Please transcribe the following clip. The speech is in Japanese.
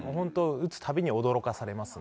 打つたびに、驚かされますね。